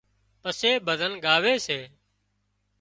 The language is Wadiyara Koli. پسي ڀزن ڳاوي سي